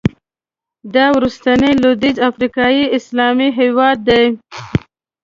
دا وروستی لوېدیځ افریقایي اسلامي هېواد دی.